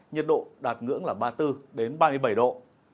nhiệt độ đạt ngưỡng là ba mươi bốn ba mươi bảy độ